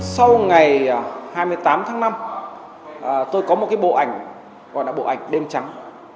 sau ngày hai mươi tám tháng năm tôi có một cái bộ ảnh gọi là bộ ảnh đêm trắng